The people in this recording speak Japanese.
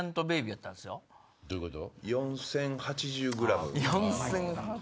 どういうこと？